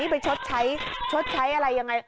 ไปชดใช้ชดใช้อะไรยังไง